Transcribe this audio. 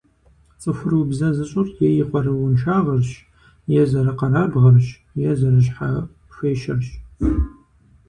ЦӀыхур убзэ зыщӀыр е и къарууншагъэрщ, е зэрыкъэрабгъэрщ, е зэрыщхьэхуещэрщ.